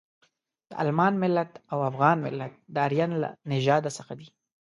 د المان ملت او افغان ملت د ارین له نژاده څخه دي.